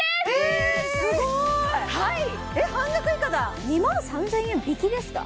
半額以下だ２万３０００円引きですか？